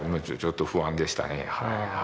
ちょっと不安でしたね。